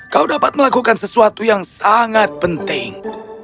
kau dapat melakukan sesuatu yang sangat penting